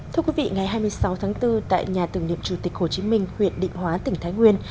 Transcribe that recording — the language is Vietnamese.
thưa quý vị ngày hai mươi sáu tháng bốn tại nhà tưởng niệm chủ tịch hồ chí minh huyện định hóa tỉnh thái nguyên